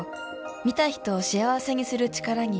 「見た人を幸せにする力に」